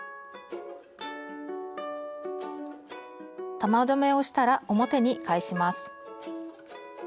玉留めをしたら表に返します。